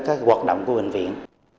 các hoạt động của bệnh viện